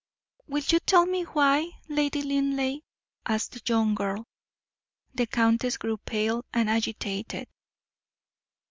"Will you tell me why, Lady Linleigh?" asked the young girl. The countess grew pale and agitated.